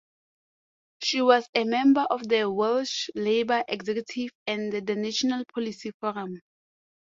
She was a member of the Welsh Labour executive and the National Policy Forum.